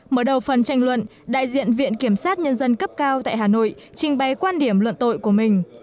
mở đầu phần tranh luận đại diện viện kiểm sát nhân dân cấp cao tại hà nội trình bày quan điểm luận tội của mình